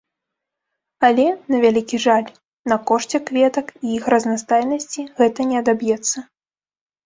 Але, на вялікі жаль, на кошце кветак і іх разнастайнасці гэта не адаб'ецца.